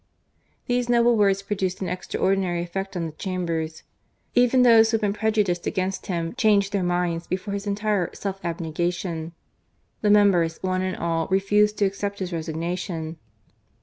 These noble words produced an extraordinary effect on the Chambers. Even those who had been prejudiced against him changed their minds before his entire self abnegation. The members, one and all, refused to accept his resignation.